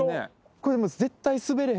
これ。